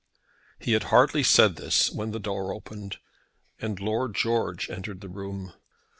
He had hardly said this when the door opened and Lord George entered the room.